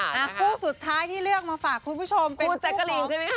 คู่สุดท้ายที่เลือกมาฝากคุณผู้ชมเป็นแจ๊กกะลีนใช่ไหมคะ